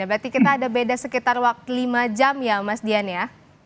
berarti kita ada beda sekitar waktu lima jam ya mas dian ya